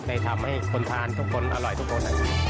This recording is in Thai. ทำให้คนทานทุกคนอร่อยทุกคน